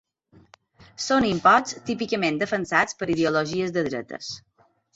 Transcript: Són imposts típicament defensats per ideologies de dretes.